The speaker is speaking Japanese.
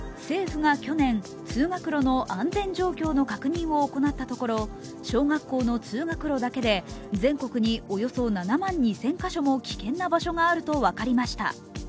政府が去年、通学路の安全状況の確認を行ったところ、小学校の通学路だけで、全国におよそ７万２０００カ所も危険な場所があると分かりました。